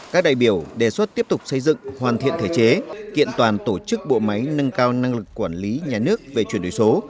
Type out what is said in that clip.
các đại biểu đề xuất tiếp tục xây dựng hoàn thiện thể chế kiện toàn tổ chức bộ máy nâng cao năng lực quản lý nhà nước về chuyển đổi số